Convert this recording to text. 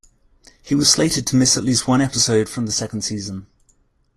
He was slated to miss at least one episode from the second season.